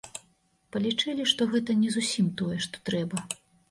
Палічылі, што гэта не зусім тое, што трэба.